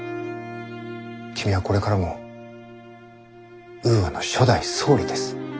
君はこれからもウーアの初代総理です。